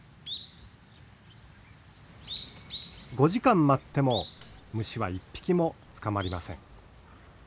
５時間待っても虫は一匹も捕まりません。